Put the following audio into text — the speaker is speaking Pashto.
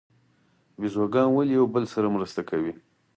بیزوګان ولې یو بل سره مرسته کوي؟